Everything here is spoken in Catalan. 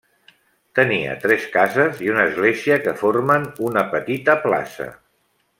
Tenia tres cases i una església, que formen una petita plaça.